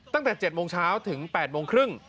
ตั้งแต่๗โมงเช้าถึง๘โมงครึ่ง